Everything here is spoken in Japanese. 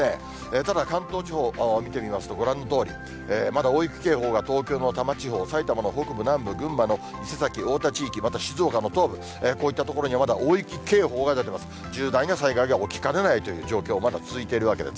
ただ、関東地方を見てみますと、ご覧のとおり、まだ大雪警報が東京の多摩地方、埼玉の北部、南部、群馬の伊勢崎・太田地域、静岡の東部、こういった所にまだ大雪警報が出ています。